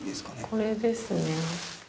これですね。